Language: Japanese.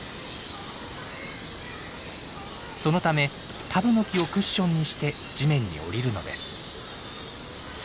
そのためタブノキをクッションにして地面に降りるのです。